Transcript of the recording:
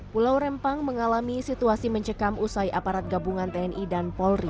pulau rempang mengalami situasi mencekam usai aparat gabungan tni dan polri